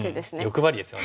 欲張りですよね。